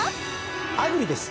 アグリです。